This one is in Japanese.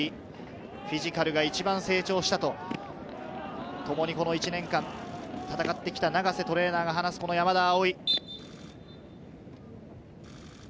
フィジカルが一番成長したと、ともにこの１年間戦ってきた長瀬トレーナーが話す山田蒼。